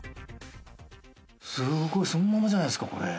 すごいそのままじゃないですかこれ。